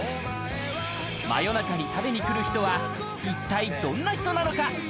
夜中に食べに来る人は一体どんな人なのか？